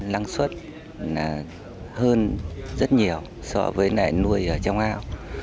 lăng suất là hơn rất nhiều so với nuôi ở trong ao